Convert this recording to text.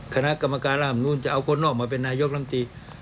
คณะกรรมการร่ามนู้นจะเอาคนนอกมาเป็นนายกรัมตี